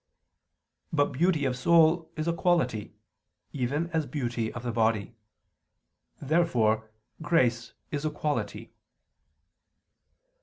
But beauty of soul is a quality, even as beauty of body. Therefore grace is a quality.